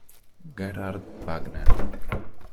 Gerhard Wagner